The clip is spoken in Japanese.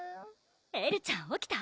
エルちゃん起きた？